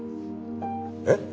えっ？